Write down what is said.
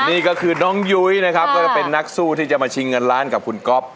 นี่ก็คือน้องยุ้ยนะครับก็จะเป็นนักสู้ที่จะมาชิงเงินล้านกับคุณก๊อฟ